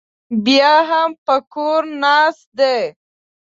بیا هم په کور ناست دی